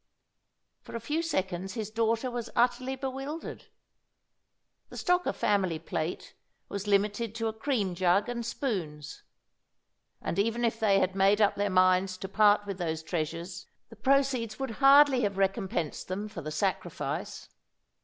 For a few seconds his daughter was utterly bewildered. The stock of family plate was limited to a cream jug and spoons. And even if they had made up their minds to part with those treasures, the proceeds would hardly have recompensed them for the sacrifice.